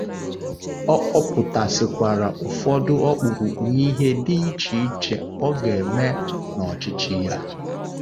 Ọ kpọpụtasịkwara ụfọdụ ọkpụrụkpụ ihe dị icheiche ọ ga-eme n'ọchịchị ya